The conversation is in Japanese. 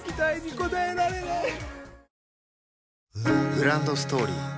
グランドストーリー